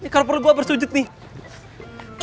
kalau perlu gue bersujud nih